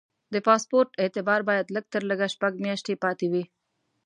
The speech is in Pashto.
د پاسپورټ اعتبار باید لږ تر لږه شپږ میاشتې پاتې وي.